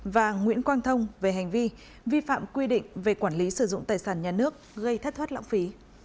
và nguyễn quang thông về hành vi vi phạm quy định về quản lý sử dụng tài sản nhà nước gây thất thoát lãng phí